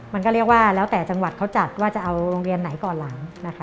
มันก็เรียกว่าแล้วแต่จังหวัดเขาจัดว่าจะเอาโรงเรียนไหนก่อนหลังนะคะ